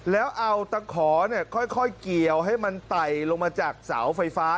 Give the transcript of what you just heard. แล้วเอาตะขอค่อยเกี่ยวให้มันไต่ลงมาจากเสาไฟฟ้า